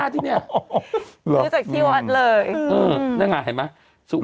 สวัสดีครับคุณผู้ชม